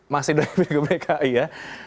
masih dari bkbki ya